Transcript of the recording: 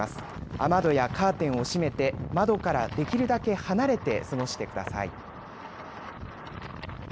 雨戸やカーテンを閉めて窓からできるだけ離れて過ごしてください。